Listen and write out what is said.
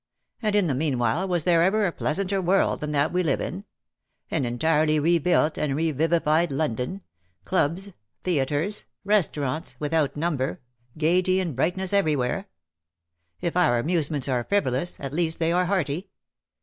And in the meanwhile was there ever a pleasanter world than that we live in — an entirely rebuilt and revivified London — clubs^ theatres, restaurants, without number — gaiety and brightness everywhere ? If our amusements are frivolous, at least they are hearty.